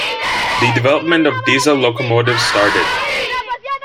The development of diesel locomotives started.